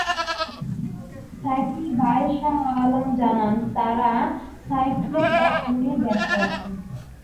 সাইফুলের ভাই শাহ আলম জানান, তাঁরা সাইফুলের দাফন নিয়ে ব্যস্ত আছেন।